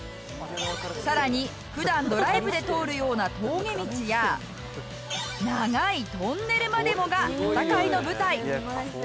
さらに普段ドライブで通るような峠道や長いトンネルまでもが戦いの舞台！